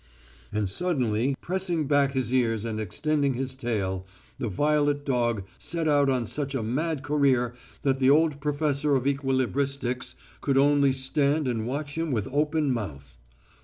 And suddenly pressing back his ears and extending his tail, the violet dog set out on such a mad career that the old professor of equilibristics could only stand and watch him with open mouth.